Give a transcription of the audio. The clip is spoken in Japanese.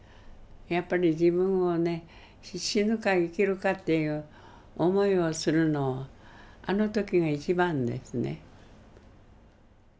やっぱり自分をね死ぬか生きるかっていう思いをするのはあの時が一番ですね。